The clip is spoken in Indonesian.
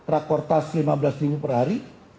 rekortas lima belas per hari